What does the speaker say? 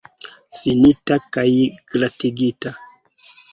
Finita kaj glatigita.